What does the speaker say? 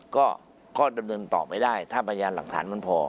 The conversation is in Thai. ก็ข้อเดิมต่อไปได้ถ้าประยาห์หลักฐานมันพอ